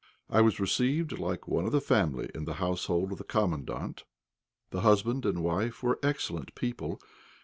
I was received like one of the family in the household of the Commandant. The husband and wife were excellent people.